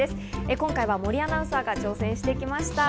今回は森アナウンサーが挑戦してきました。